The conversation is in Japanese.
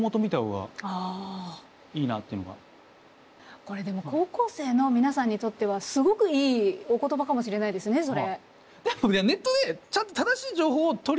これでも高校生の皆さんにとってはすごくいいお言葉かもしれないですねそれ。